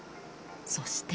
そして。